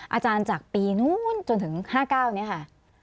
อาจารย์จากปีนู้นจนถึง๕๙นี้ค่ะ